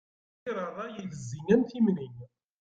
Yir ṛṛay itezzi am timni.